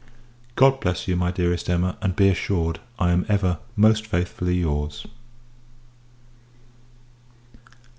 God bless you, my dearest Emma; and, be assured, I am ever most faithfully your's.